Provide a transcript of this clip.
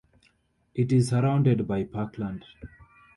It is surrounded by parkland.